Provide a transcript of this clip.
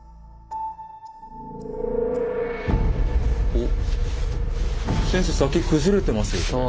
お先生先崩れてますよこれ。